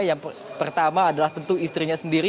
yang pertama adalah tentu istrinya sendiri